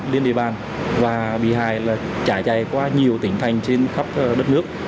liên địa bàn và bị hài trải trải qua nhiều tỉnh thành trên khắp đất nước